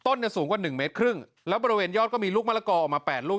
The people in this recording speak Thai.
สูงกว่าหนึ่งเมตรครึ่งแล้วบริเวณยอดก็มีลูกมะละกอออกมาแปดลูก